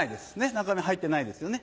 中身入ってないですよね。